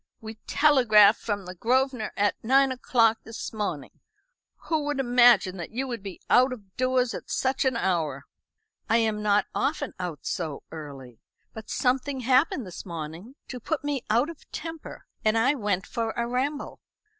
We telegraphed from the Grosvenor at nine o'clock this morning. Who would imagine that you would be out of doors at such an hour?" "I am not often out so early. But something happened this morning to put me out of temper, and I went for a ramble."